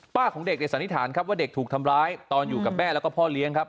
ของเด็กสันนิษฐานครับว่าเด็กถูกทำร้ายตอนอยู่กับแม่แล้วก็พ่อเลี้ยงครับ